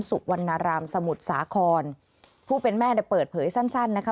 สุวรรณรามสมุทรสาครผู้เป็นแม่เนี่ยเปิดเผยสั้นสั้นนะคะ